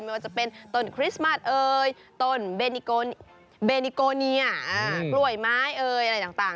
ไม่ว่าจะเป็นต้นคริสต์มัสเอ่ยต้นเบนิโกเนียกล้วยไม้เอ่ยอะไรต่าง